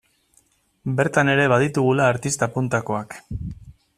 Bertan ere baditugula artista puntakoak.